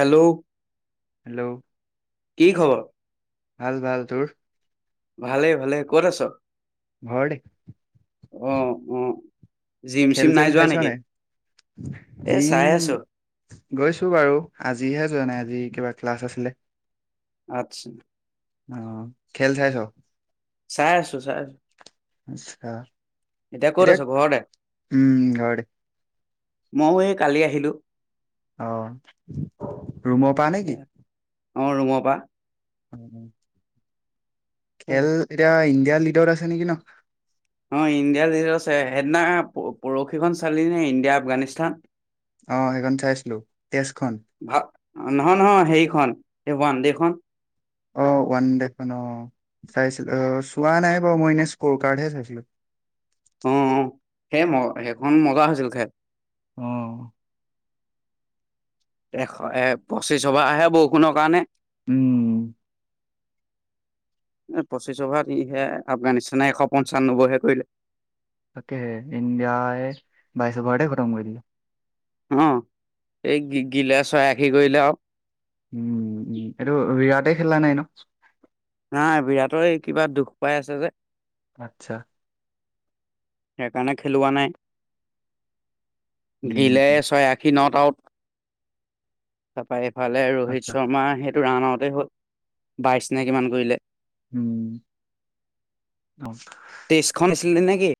Hello? Hello কি খবৰ ভাল ভাল, তোৰ? ভালেই ভালেই ক'ত আছ? ঘৰতে অ' অ'। জিম খেল চিম চেল নাই যোৱা চাইছ নেকি? এ জিম চাই আছো। গৈছো বাৰু আজিহে যোৱা নাই, আজি কিবা ক্লাছ আছিলে। আচ্ছা। অ', খেল চাইছ? চাই আছো চাই আছো। ক'ত এতিয়া, আছ ঘৰতে উম ঘৰতে। মইওঁ এই কালি আহিলো। অ', ৰুমৰ পৰা নেকি? অ', ৰুমৰ পা। খেল এতিয়া ইণ্ডিয়া লিডত আছে নেকি ন? অ', ইণ্ডিয়া লিডত আছে। সেইদিনা পৰহিখন চালি নে ইণ্ডিয়া আফগানিস্তানৰ? অ', সেইখন চাইছিলো, টেষ্টখন। ভা নহয় নহয় সেইখন ওৱান দে খন। অ', ওৱান দে খন অ' চাইছিলো অ' চোৱা নাই বাৰু মই এনে স্কৰ কাৰণেহে চাইছিলো। অ', অ', সেই ম সেইখন মজা হৈছিল খেল। অ'। এশ এ পঁচিছ অভাৰ আহে বৰষুণৰ কাৰণে। উম। [inaudible] এ পঁচিছ অভাৰত ই এ আফগানিস্তানে এশ পঞ্চানব্বৈহে কৰিলে। তাকেহে ইণ্ডিয়াই বাইছ অভাৰতে খতম কৰি দিলে। অ', এই গি-গিলা ছয় আশী কৰিলে আৰু। উম, উম, এইটো বিৰাটে খেলা নাই ন? নাই বিৰাটৰ এই কিবা দুখ পাই আছে যে। আচ্ছা। সেইকাৰণে খেলোৱা নাই, উম গিলে ছয় আশী নট আউট। তাৰপৰা এইফালে ৰোহিত আচ্ছা শৰ্মা সেইটো ৰাণ আউটেই হ'ল বাইছ নে কিমান কৰিলে। উম। টেষ্টখন দিছিলি নে কি?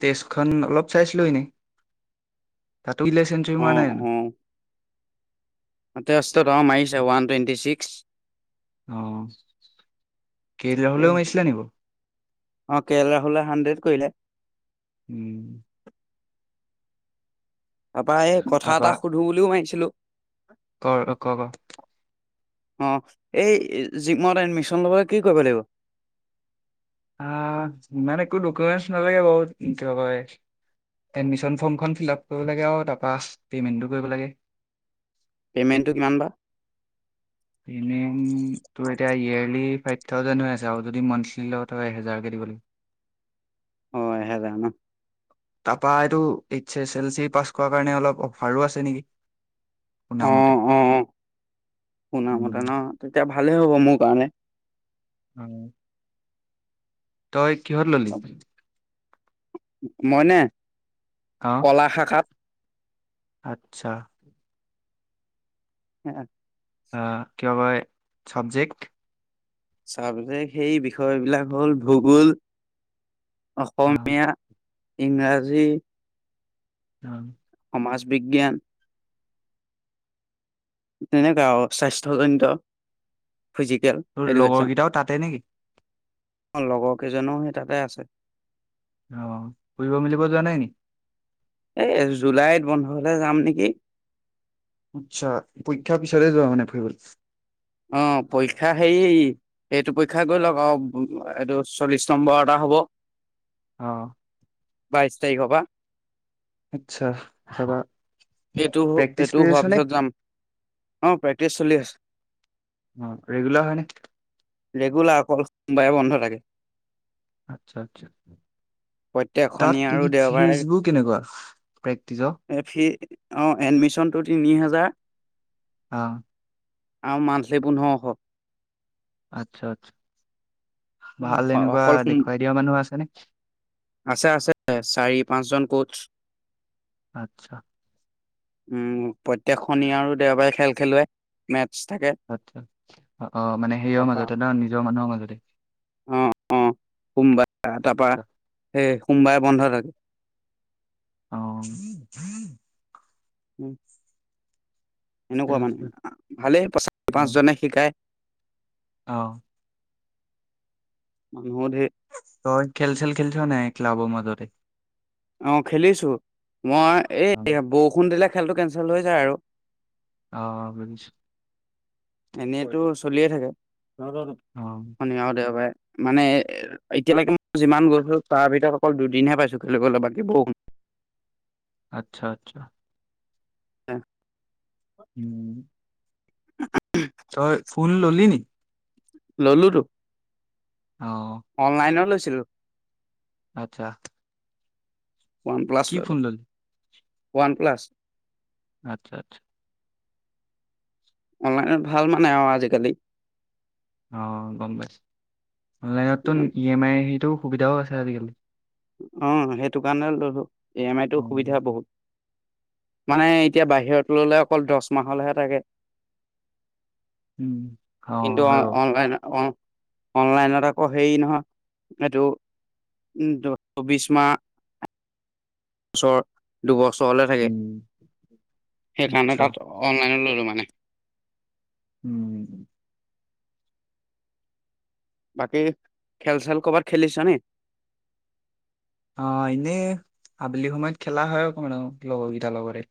টেষ্টখন অলপ চাইছিলো এনেই। তাতো ইলে চেঞ্চুৰী মৰা অ', নাই জানো অ', হাতে অষ্ট মাৰিছে ওৱান টুৱেণ্টি ছিক্স। অ', কে এ ৰাহুললেওঁ মাৰিছিলে নে বাৰু? অ', কে ৰাহুলে হাণ্ড্ৰেড কৰিলে। উম। তাৰপা এই কথা এটা সুধো বুলিওঁ মাৰিছিলো। কৰ, অ' ক ক। অ', এই জিমত এডমিশ্যন ল'বলৈ কি কৰিব লাগিব? আহ ইমান একো ডকুমেণ্টছ নালাগে বহুত কি কয় এডমিশ্যন ফৰ্মখন ফিলাপ কৰিব লাগে আৰু তাৰপা পেমেন্টো কৰিব লাগে। পে'মেণ্টটো কিমান বা। [unintelligible] তোৰ এতিয়া ইয়াৰলি ফাইভ থাউজেণ্ড হৈ আছে আৰু যদি মান্থলি লও ত‌ই এহেজাৰ কৈ দিব লাগিব। [unintelligible] তাৰপা এইটো H S L C pass কৰা কাৰণে অলপ অফাৰো আছে নেকি? শুনা মতে অ' অ' শুনামতে ন তেতিয়া ভালেই হ'ব মোৰ কাৰণে। [unintelligible] তই কিহত ললি? মইনে। অ', কলা শাখাত আচ্ছা। [unintelligible] অ', কিয় কয় চাবজেক্ট। চাবজেক্ট সেই বিষয় বিলাক হ'ল ভূগোল। অ' অসমীয়া, ইংৰাজী। [unintelligible] সমাজ বিজ্ঞান। তেনেকুৱা ও স্বাস্থ্যজনিত ফিজিকেল। তোৰ লগৰ কেইটাও তাতে নেকি। অ লগৰ কেইজনোও সেই তাতে আছে। অ', ফুৰিব মেলিব যোৱা নাই নেকি? এই জুলাইত বন্ধ হলে যাম নেকি? আচ্ছা পৰীক্ষাৰ পিছতে যোৱা মানে ফুৰিবলে। অ', পৰীক্ষা [unintelligible] এইটো পৰীক্ষা কৰি লওক আৰু এইটো চল্লিশ নম্বৰ এটা হ'ব। অ', বাইশ তাৰিখ পৰা। আচ্ছা [unintelligible] এইটো প্ৰেক্টিচ এইটো কৰি আছ হোৱাৰ নে? পিছত যাম অ প্ৰেক্টিছ চলি আছে। [unintelligible] ৰেগুলাৰ হয় নে? ৰেগুলাৰ অকল সোমবাৰে বন্ধ থাকে। আচ্ছা, আচ্ছা। প্ৰত্যেক শনি তাত আৰু [unintelligible] দেওবাৰে ফিজবোৰ কেনেকুৱা প্ৰেক্টিচৰ? [unintelligible] ফি অ' এডমিশনটো তিনি হাজাৰ। [unintelligible] আৰু মান্থলি পুনৰহো। আচ্ছা, আচ্ছা, ভাল এনেকুৱা অকল সোম দেখুৱাই দিয়া মানুহ আছে নে? আছে, আছে, চাৰি পাঁচজন কোচ। আচ্ছা। উম, প্ৰত্যেকশনি আৰু দেওবাৰে খেল খেলুৱে মেটছ থাকে। আচ্ছা, অ মানে সেইয়ৰ তাৰপা মাজতে ন নিজৰ মানুহৰ মাজতে অ' অ' সোমবাৰে তাৰপা সেই সোমবাৰে বন্ধ থাকে। অ', [unintelligible] ঠিকে সেনেকুৱা আছে মানে ভালেই পাচ অ' পাঁচজনে শিকায়। অ। মানুহ ধেৰ। ত খেল ছেল খেলিছ নাই ক্লাবৰ মাজতে ই। অ খেলিছো মই এই উম। বৰষুণ দিলে খেলটো কেন্সেল হৈ যায় আৰু। অ বুজিছোঁ। এনেটো চলিয়ে থাকে। অ। শনি আৰু দেওবাৰে মানে এতিয়ালৈকে মই যিমান গৈছোঁ তাৰ ভিতৰত অকল দুদিনহে পাইছোঁ খেলিবলৈ বাকী বৰষুণ। আচ্ছা আচ্ছা। [inaudible] উম। [unintelligible] তই ফোন ললি নেকি? ললোঁ ত। অ। অনলাইন লৈছিলোঁ। আচ্ছা। ওৱান প্লাছ কি ললো ফোন ললি? One plus. আচ্ছা আচ্ছা। অনলাইনত ভাল মানে আৰু আজিকালি। অঁ গম পাইছো অনলাইনতো ই এম আই সেইটোও সুবিধাও আছে আজিকালি। অ সেইটো কাৰণে ললোঁ ই এমটো উম। সুবিধা বহুত। মানে এতিয়া বাহিৰত ললে অকল দহ মাহলৈহে থাকে। উম, কিন্তু অ হয় বাৰু। অনলাইন অ অনলাইনত আকৌ হেৰি নহয় এইটো চৌবিশ মাহ ওচৰৰ দুই বছৰ লৈ থাকে উম। সেইকাৰণে আচ্ছা তাত অনলাইন ললো মানে। উম। বাকী খেল চেল কৰ'বাত খেলিছ নি? অ', এনে আবেলি সময়ত খেলা হয় অকমান লগৰ কেইটাৰ লগৰে।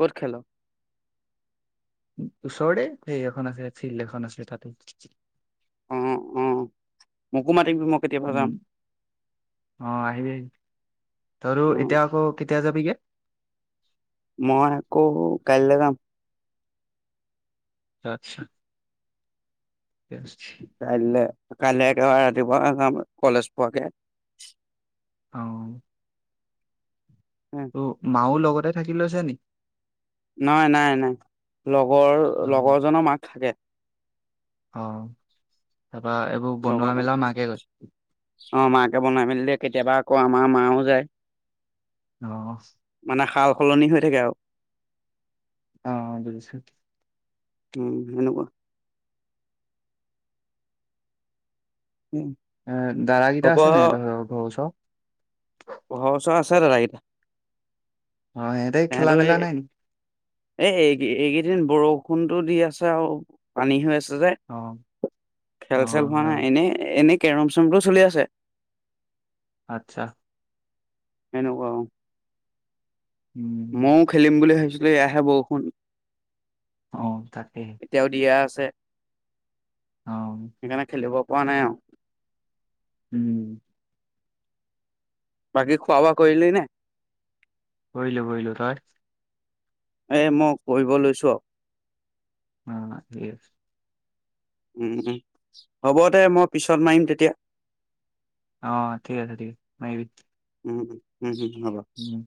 ক'ত খেল? ওচৰে সেই এখন আছে ফিল্ড এখন আছে তাতেই। অ', অ' মোকো মাতিবি মই কেতিয়াবা যাম। উম, অ', আহিবি আহিবি তৰো অ', এতিয়া আকৌ কেতিয়া যাবিগে? মই আকৌ কাইলৈ যাম। আচ্ছা। ঠিকেই আছে। কাইলৈ কাইলৈ একেবাৰে ৰাতিপুৱা যাম আৰু কলেজ পোৱাকে। অ'। মাঁ লগতে থাকি লৈছে নেকি? নাই নাই নাই লগৰ অ', লগৰজনৰ মাক থাকে। অ', তাৰপৰা অ মাকে বনাই মেলিলে কেতিয়াবা আকৌ আমাৰ মাঁও যায়। অ'। মানে সাল সলনি হৈ থাকে আৰু। অ বুজিছো। উম সেনেকুৱা। উম। এ দাদাকিটা আছে নাই তহঁতৰ ঘৰ ওচৰ। ঘৰ ওচৰ আছে দাদা কেইটা। অ হেতে খেলা মেলা নাই নি? এ এই এইকেইদিন বৰষুণতটো দি আছে আৰু পানী হৈ আছে যে। অ', অ', খেল চেল হোৱা নাই আৰু এনেই এনেই কেৰম চেৰমটো চলি আছে। আচ্ছা। এনেকোৱা অ'। উম। মও খেলিম বুলি ভাবিছিলো এয়া হে বৰষুণ অ', তাকে। এতিয়াও দিয়া আছে অ', সেইকাৰণে খেলিব পৰা নাই আৰু। উম। বাকী খোৱা বোৱা কৰিলে নে? কৰিলোঁ কৰিলোঁ, তই? এ মই কৰিব লৈছো আৰু। মা মাতি আছে। উম উম হ'ব দে মই পিছত মাৰিম তেতিয়া অ', ঠিক আছে ঠিক আছে মাৰিবি। উম উম হম্ হম্ হব। উম।